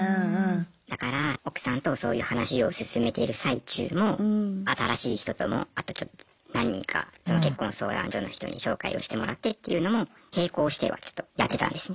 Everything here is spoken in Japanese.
だから奥さんとそういう話を進めている最中も新しい人ともあとちょっと何人か結婚相談所の人に紹介をしてもらってっていうのも並行してはちょっとやってたんですね。